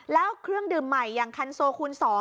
แล้วเครื่องดื่มใหม่อย่างคันโซคูณ๒